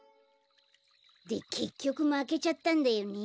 でけっきょくまけちゃったんだよね。